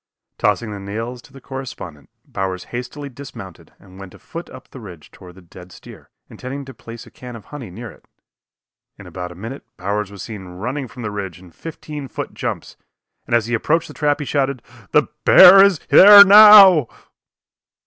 Tossing the nails to the correspondent, Bowers hastily dismounted and went afoot up the ridge toward the dead steer, intending to place a can of honey near it. In about a minute Bowers was seen running from the ridge in fifteen foot jumps, and as he approached the trap he shouted: "The bear is there now!"